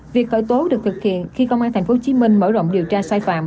việc khởi tố được thực hiện khi công an tp hcm mở rộng điều tra sai phạm